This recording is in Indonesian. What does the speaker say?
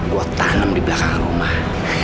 buat tanam di belakang rumah